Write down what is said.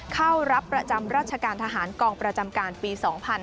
เข้ารับประจำราชการทหารกองประจำการปี๒๕๕๙